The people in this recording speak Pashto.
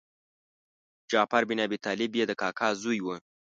جعفر بن ابي طالب یې د کاکا زوی و.